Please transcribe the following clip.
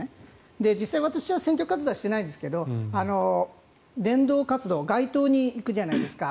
実際、私は選挙活動はしてないですけど伝道活動街頭に行くじゃないですか。